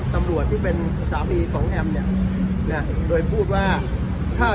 ตำรวจที่เป็นสามีของแอมเนี่ยนะโดยพูดว่าถ้า